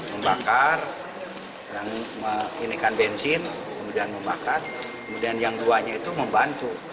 membakar inikan bensin kemudian membakar kemudian yang duanya itu membantu